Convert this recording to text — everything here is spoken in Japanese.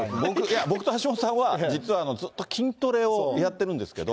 僕と橋下さんは、実は筋トレをやってるんですけど。